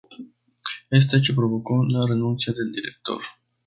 Este hecho provocó la renuncia del director.